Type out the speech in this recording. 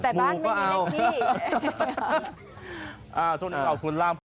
แต่บ้านไม่มีเลขที่